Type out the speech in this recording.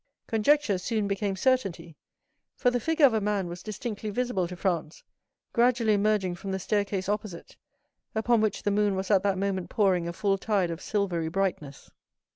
Conjecture soon became certainty, for the figure of a man was distinctly visible to Franz, gradually emerging from the staircase opposite, upon which the moon was at that moment pouring a full tide of silvery brightness.